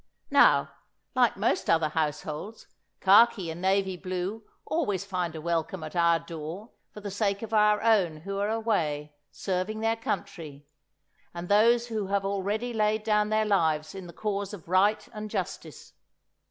Now, like most other households, khaki and navy blue always find a welcome at our door for the sake of our own who are away, serving their country, and those who have already laid down their lives in the cause of Right and Justice.